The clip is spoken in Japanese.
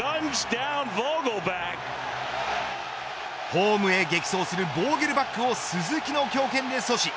ホームへ激走するボーゲルバックを鈴木の強肩で阻止。